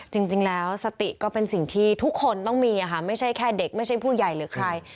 จริงแล้วสติก็เป็นสิ่งที่ทุกคนต้องมีค่ะไม่ใช่แค่เด็กไม่ใช่ผู้ใหญ่หรือใคร